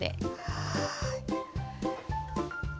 はい。